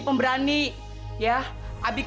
gimana tau gak